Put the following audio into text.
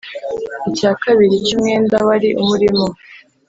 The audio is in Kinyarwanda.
icya kabiri cy’umwenda wari umurimo